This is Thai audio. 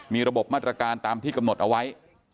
มีระบบมาตรการตามที่กำหนดเอาไว้